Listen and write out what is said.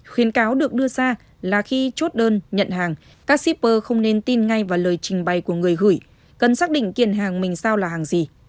khuyến cáo được đưa ra là khi chốt đơn nhận hàng các shipper không nên tin ngay vào lời trình bày của người gửi cần xác định kiện hàng mình sao là hàng gì